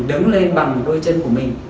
đứng lên bằng đôi chân của mình